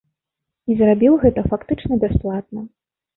І зрабіў гэта фактычна бясплатна.